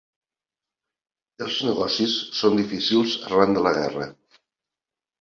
Els negocis són difícils arran de la guerra.